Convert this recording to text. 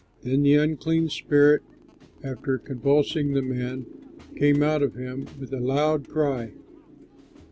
Then the unclean spirit, after convulsing the man, came out of him with a loud cry.